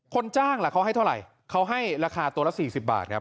คนจ้างล่ะเขาให้เท่าไหร่เขาให้ราคาตัวละ๔๐บาทครับ